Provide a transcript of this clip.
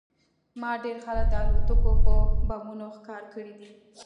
ما ډېر خلک د الوتکو په بمونو ښکار کړي دي